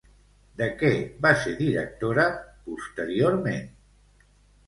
De què va ser directora posteriorment?